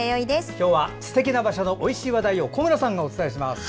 今日は、すてきな場所のおいしい話題を小村さんがお伝えします。